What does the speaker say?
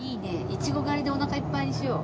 イチゴ狩りでお腹いっぱいにしよう。